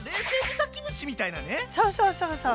ああそうそうそうそう